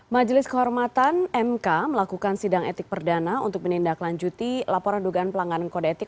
majelis kehormatan mk melakukan sidang etik perdana untuk menindaklanjuti laporan dugaan pelanggaran kode etik